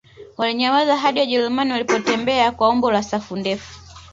Walinyamaza hadi Wajerumani walipotembea kwa umbo la safu ndefu